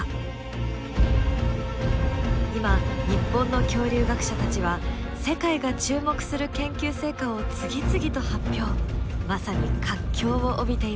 今日本の恐竜学者たちは世界が注目する研究成果を次々と発表まさに活況を帯びています。